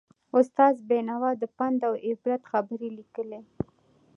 استاد بینوا د پند او عبرت خبرې لیکلې.